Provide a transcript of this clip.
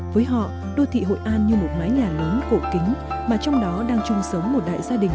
với họ đô thị hội an như một mái nhà lớn cổ kính mà trong đó đang chung sống một đại gia đình